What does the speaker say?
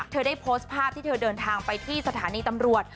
เธอได้โพสต์ภาพที่เธอเดินทางไปที่สถานีตำรวจ